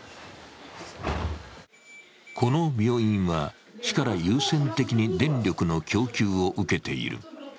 この病院は、市から優先的に電力の供給を受けている。